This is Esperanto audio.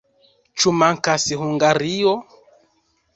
Ĉu mankas Hungario?